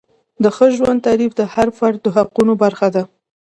د ښه ژوند تعریف د هر فرد د حقوقو برخه ده.